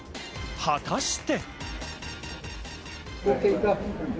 果たして。